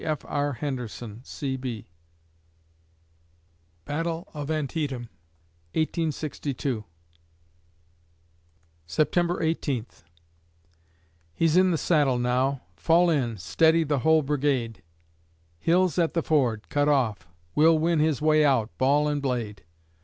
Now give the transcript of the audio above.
G. F. R. HENDERSON, C.B. Battle of Antietam, 1862 September Eighteenth He's in the saddle now. Fall in, Steady the whole brigade! Hill's at the ford, cut off; we'll win His way out, ball and blade.